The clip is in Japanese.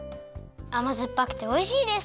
あまずっぱくておいしいです。